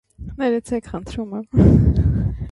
- Ներեցե՛ք, խնդրում եմ.